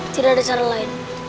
tidak ada cara lain